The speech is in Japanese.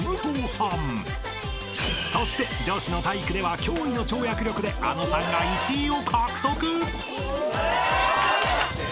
［そして女子の体育では驚異の跳躍力であのさんが１位を獲得］